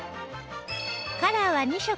カラーは２色